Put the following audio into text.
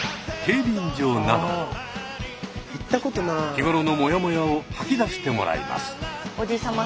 日頃のモヤモヤを吐き出してもらいます。